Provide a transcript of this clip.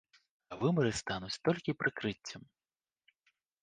А выбары стануць толькі прыкрыццём.